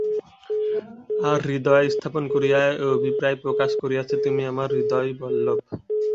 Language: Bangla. আর হৃদয়ে স্থাপন করিয়া এই অভিপ্রায় প্রকাশ করিয়াছে, তুমি আমার হৃদয়বল্লভ।